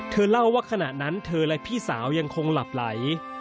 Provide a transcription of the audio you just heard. เธอเล่าว่าขณะนั้นเธอและพี่สาวยังคงหลับไหล